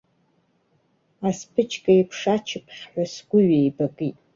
Асԥычқа еиԥш ачыԥхьҳәа сгәы ҩеибакит.